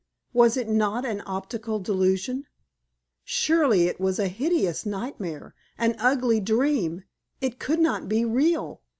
Was it not an optical delusion? Surely it was a hideous nightmare an ugly dream it could not be real.